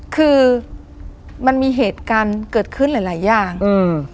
คือมันมีเหตุการณ์เกิดขึ้นหลายหลายอย่างอืม